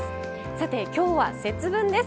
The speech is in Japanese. さて今日は節分です。